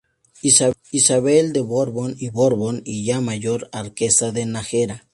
Isabel de Borbón y Borbón y ya mayor, Marquesa de Nájera.